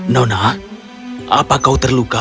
nona apa kau terluka